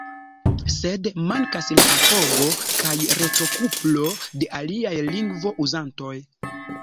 Sed mankas la apogo kaj retrokuplo de aliaj lingvo-uzantoj.